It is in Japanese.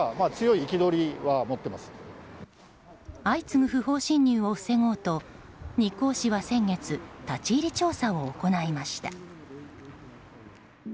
相次ぐ不法侵入を防ごうと日光市は先月立ち入り調査を行いました。